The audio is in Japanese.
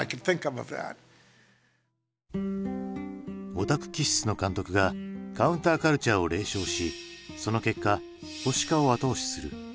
オタク気質の監督がカウンターカルチャーを冷笑しその結果保守化を後押しする。